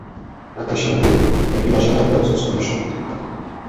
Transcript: ঢাকায় শ্যামলীর একটি বাসায় আরও কয়েকজন নির্মাণ শ্রমিকের সঙ্গে তিনি থাকেন।